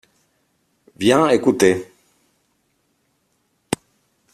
Viens écouter.